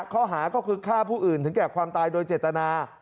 ข้อหาก็คือฆ่าผู้อื่นถึงแก่ความตายโดยเจตนา